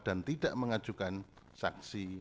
dan tidak mengajukan saksi